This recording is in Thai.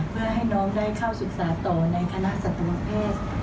เพื่อให้น้องได้เข้าศึกษาต่อในคณะสัตวแพทย์